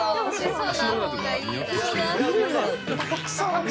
足の裏とかにおってきて。